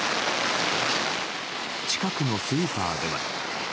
近くのスーパーでは。